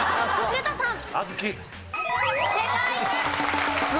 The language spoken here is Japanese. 前田さん。